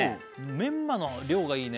メンマの量がいいね